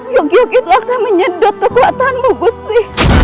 yogiok itu akan menyedot kekuatanmu gusti